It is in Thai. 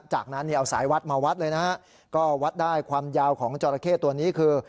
จากนั้นเนี่ยเอาสายวัดมาวัดเลยนะฮะก็วัดได้ความยาวของจอราเข้ตัวนี้คือ